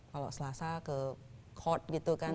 kalau selasa ke court gitu kan